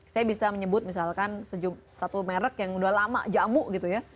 saya bisa menyebut misalkan satu merek yang udah lama jamu gitu ya